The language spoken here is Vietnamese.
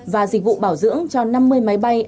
và dịch vụ bảo dưỡng cho năm mươi máy bay